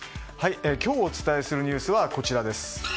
今日お伝えするニュースはこちら。